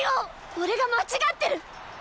オレが間違ってる！